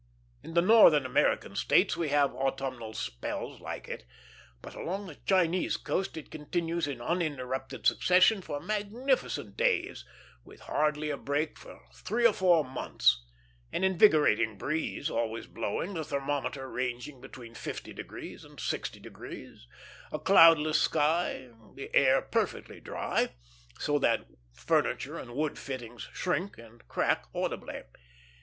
In the northern American states we have autumnal spells like it; but along the Chinese coast it continues in uninterrupted succession of magnificent days, with hardly a break for three or four months; an invigorating breeze always blowing, the thermometer ranging between 50° and 60°, a cloudless sky, the air perfectly dry, so that furniture and wood fittings shrink, and crack audibly.